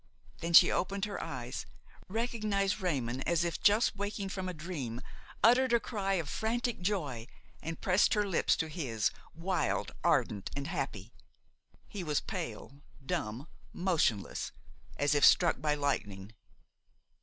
Then she opened her eyes, recognized Raymon as if just waking from a dream, uttered a cry of frantic joy, and pressed her lips to his, wild, ardent and happy. He was pale, dumb, motionless, as if struck by lightning.